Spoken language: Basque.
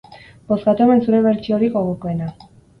Bozkatu hemen zure bertsiorik gogokoena.